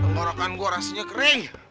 ngorokan gua rasanya kering